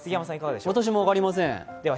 私も分かりません。